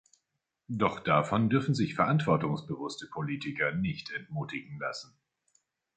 Doch davon dürfen sich verantwortungsbewusste Politiker nicht entmutigen lassen.